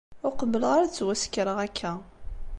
Ur qebbleɣ ara ad ttwasekkreɣ akka.